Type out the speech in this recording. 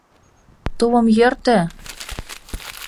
Тулым йӧртӧ!